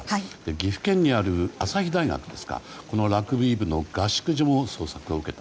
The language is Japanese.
岐阜県にある朝日大学ラグビー部の合宿所も捜索を受けた。